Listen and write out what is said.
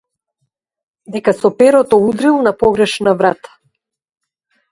Дека со перото удрил на погрешна врата.